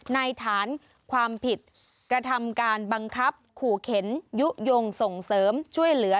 ฐานความผิดกระทำการบังคับขู่เข็นยุโยงส่งเสริมช่วยเหลือ